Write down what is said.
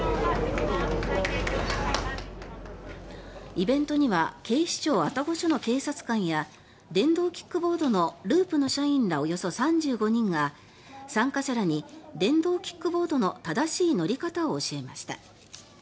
イベントには警視庁愛宕署の警察官や電動キックボードのＬＵＵＰの社員らおよそ３５人が参加者らに電動キックボードの正しい乗り方を教えました。